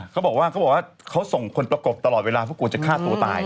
เขาบอกว่าเขาส่งคนประกบตลอดเวลาเพราะกว่าจะฆ่าตัวตาย